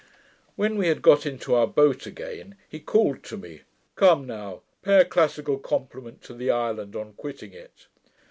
When we had got into our boat again, he called to me, 'Come, now, pay a classical compliment to the island on quitting it.'